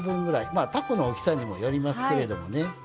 まあたこの大きさにもよりますけれどもね。